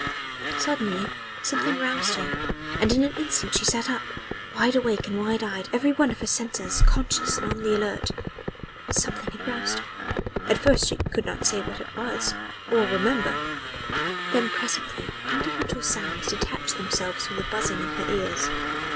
Suddenly something roused her, and in an instant she sat up wide awake and wide eyed, every one of her senses conscious and on the alert. Something had roused her at first she could not say what it was or remember. Then presently individual sounds detached themselves from the buzzing in her ears.